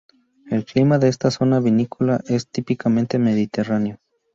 El clima de esta zona vinícola es típicamente mediterráneo.